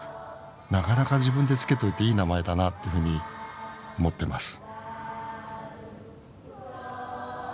なかなか自分で付けといていい名前だなっていうふうに思ってます。